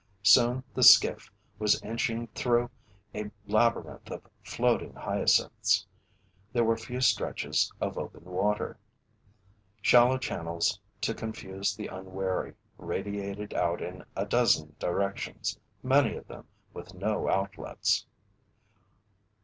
Soon the skiff was inching through a labyrinth of floating hyacinths; there were few stretches of open water. Shallow channels to confuse the unwary, radiated out in a dozen directions, many of them with no outlets.